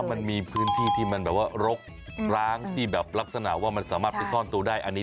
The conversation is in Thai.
มันมีพื้นที่ที่มันแบบว่ารกร้างที่แบบลักษณะว่ามันสามารถไปซ่อนตัวได้อันนี้